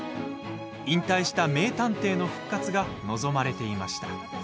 引退した名探偵の復活が望まれていました。